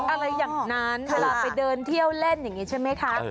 อะไรอย่างนั้นเวลาไปเดินเที่ยวเล่นอย่างนี้ใช่ไหมคะ